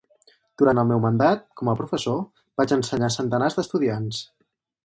Durant el meu mandat com a professor, vaig ensenyar centenars d'estudiants.